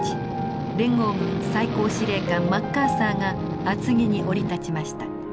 連合軍最高司令官マッカーサーが厚木に降り立ちました。